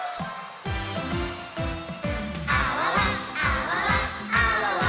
「あわわあわわあわわわ」